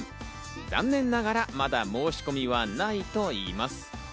残念ながらまだ申し込みはないといいます。